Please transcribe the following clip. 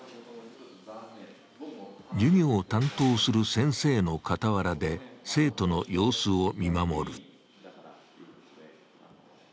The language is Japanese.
授業を担当する先生の傍らで生徒の様子を見守る。